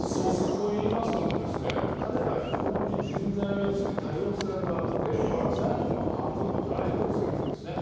といいますのも、彼ら、非常に人材が多様性があって、社員の半分は外国籍なんですね。